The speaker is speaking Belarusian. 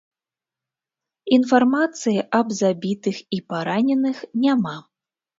Інфармацыі аб забітых і параненых няма.